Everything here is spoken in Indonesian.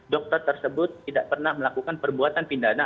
dokter tersebut tidak pernah melakukan perbuatan pidana